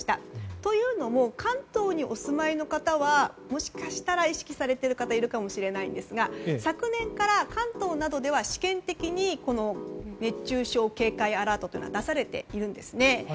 というのも関東にお住まいの方はもしかしたら意識されている方いるかもしれませんが昨年から関東などでは試験的に熱中症警戒アラートというのが出されているんですね。